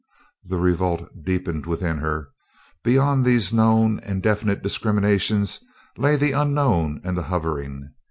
The revolt deepened within her. Beyond these known and definite discriminations lay the unknown and hovering.